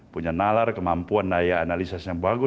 punya nalar kemampuan daya analisis yang bagus